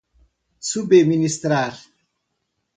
subministrar